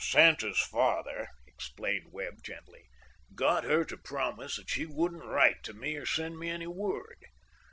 "Santa's father," explained Webb gently, "got her to promise that she wouldn't write to me or send me any word.